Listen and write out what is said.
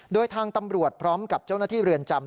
โดยทางตำรวจพร้อมกับเจ้าหน้าที่เรือนจำ